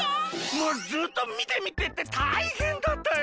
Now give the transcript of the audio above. もうずっと「みてみて」ってたいへんだったよ。